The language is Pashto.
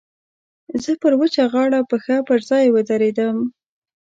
زه پر وچه غاړه پښه پر ځای ودرېدم.